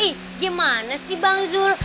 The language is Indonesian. nih gimana sih bang zul